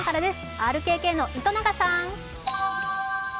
ＲＫＫの糸永さん。